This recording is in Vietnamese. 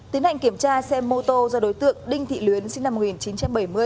tiến hành kiểm tra xe mô tô do đối tượng đinh thị luyến sinh năm một nghìn chín trăm bảy mươi